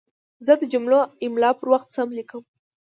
زه د جملو املا پر وخت سم لیکم.